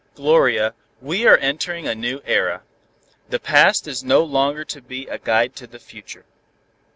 "Gloria, we are entering a new era. The past is no longer to be a guide to the future.